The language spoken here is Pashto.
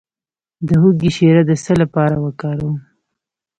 د هوږې شیره د څه لپاره وکاروم؟